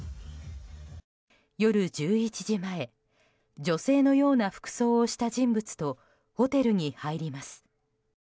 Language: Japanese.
夜１１時前女性のような服装をした人物とホテルに入ります。